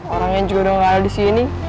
orangnya juga udah gak ada disini